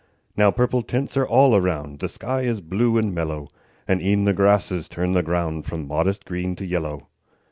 Now purple tints are all around; The sky is blue and mellow; And e'en the grasses turn the ground From modest green to yellow.